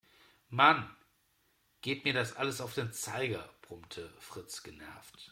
Mann, geht mir das alles auf den Zeiger, brummte Fritz genervt.